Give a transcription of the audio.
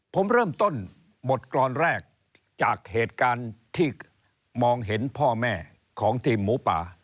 ผมเริ่มต้นบทกรอนแรกจากเหตุการณ์ที่มองเห็นพ่อแม่ของทีมหมูป่า